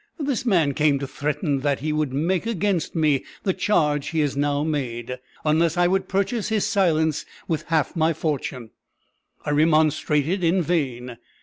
"This man came to threaten that he would make against me the charge he has now made, unless I would purchase his silence with half my fortune; I remonstrated in vain.